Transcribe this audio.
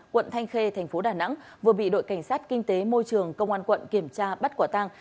quận thanh khê thành phố đà nẵng vừa bị đội cảnh sát kinh tế môi trường công an quận kiểm tra bắt quả tang